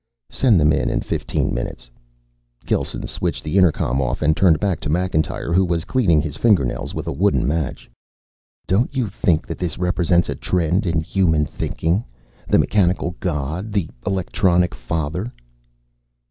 "Send them in in fifteen minutes." Gelsen switched the intercom off and turned back to Macintyre, who was cleaning his fingernails with a wooden match. "Don't you think that this represents a trend in human thinking? The mechanical god? The electronic father?"